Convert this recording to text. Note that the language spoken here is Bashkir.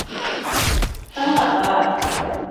Тыңларҙар...